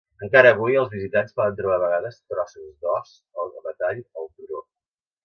Encara avui els visitants poden trobar de vegades trossos d'os o de metall al turó.